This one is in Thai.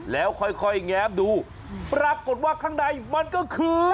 แล้วค่อยแง้มดูปรากฏว่าข้างในมันก็คือ